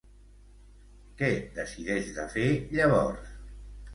Què decideix de fer, llavors?